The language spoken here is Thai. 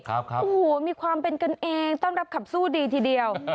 โอ้โหมีความเป็นกันเองต้อนรับขับสู้ดีทีเดียว